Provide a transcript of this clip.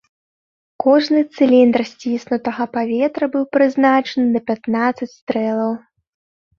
Кожны цыліндр сціснутага паветра быў прызначаны на пятнаццаць стрэлаў.